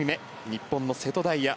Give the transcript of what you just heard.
日本の瀬戸大也